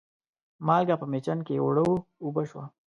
مالګه په مېچن کې اوړه و اوبه شوه.